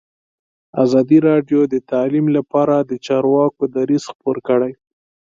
ازادي راډیو د تعلیم لپاره د چارواکو دریځ خپور کړی.